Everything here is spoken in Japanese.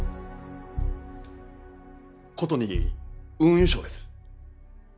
ことに運輸省です。